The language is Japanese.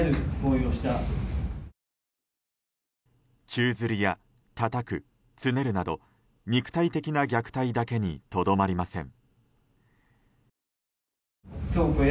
宙づりや、たたく、つねるなど肉体的な虐待だけにとどまりません。